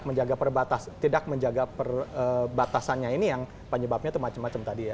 nah tidak menjaga perbatasannya ini yang penyebabnya itu macem macem tadi ya